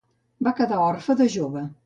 Va quedar orfe de jove.